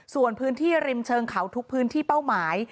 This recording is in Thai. ส่วนพื้นที่ริมเชิงเขาทุกพื้นที่เป้าหมาย